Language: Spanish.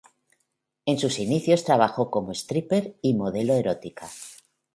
En sus inicios trabajó como stripper y modelo erótica.